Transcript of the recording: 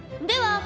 では